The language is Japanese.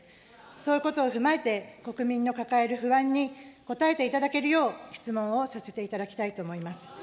そういうことを踏まえて国民の抱える不安に答えていただけるよう質問をさせていただきたいと思います。